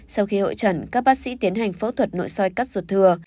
sau khi hội trần các bác sĩ tiến hành phẫu thuật nội soi cắt ruột thừa